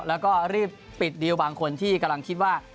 แล้วก็รีบปิดดีลบางคนที่กำลังคิดว่า